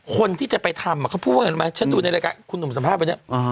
คนที่จะไปทำอ่ะเขาพูดว่าเหมือนไหมฉันดูในรายการคุณหนุ่มสำหรับวันนี้อ่า